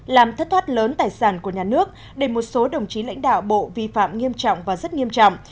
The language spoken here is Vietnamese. làm thất thoát lớn tài sản của nhà nước để một số đồng chí lãnh đạo bộ vi phạm nghiêm trọng và rất nghiêm trọng